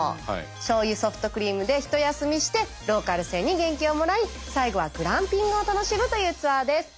しょうゆソフトクリームでひと休みしてローカル線に元気をもらい最後はグランピングを楽しむというツアーです。